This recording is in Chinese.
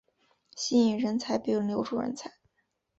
吸引人才并留住人才